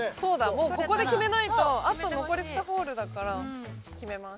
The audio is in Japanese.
もうここで決めないとあと残り２ホールだから決めます。